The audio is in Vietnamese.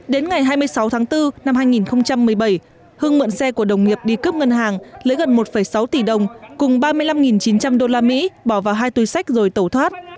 đến ngày hai mươi sáu tháng bốn năm hai nghìn một mươi bảy hưng mượn xe của đồng nghiệp đi cướp ngân hàng lấy gần một sáu tỷ đồng cùng ba mươi năm chín trăm linh usd bỏ vào hai túi sách rồi tẩu thoát